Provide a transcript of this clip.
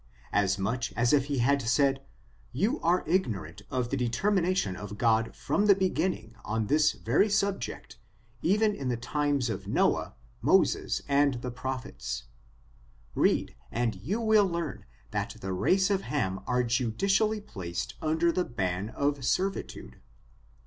As much as if he bad said, you are ignorant of the determination of God from the beginning, on this very subject, even in the times of Noah^ Moses and the prophets; read, and you will learn that the race of Ham are judicially placed under the ban of servitude.